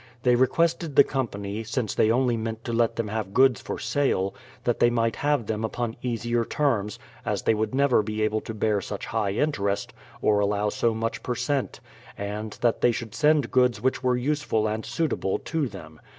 They requested the company, since they only meant to let them have goods for sale, that they might have them upon easier terms, as they would never be able to bear such high interest or allow so much per cent; and that they should send goods which were useful and suitable to them.